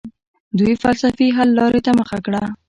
دوی فلسفي حل لارې ته مخه کړه.